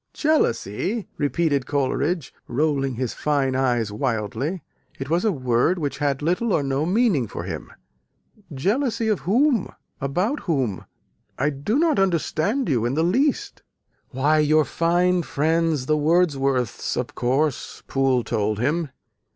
"Jealousy!" repeated Coleridge, rolling his fine eyes wildly. It was a word which had little or no meaning for him. "Jealousy of whom? about whom? I do not understand you in the least." "Why, your fine friends the Wordsworths, of course," Poole told him.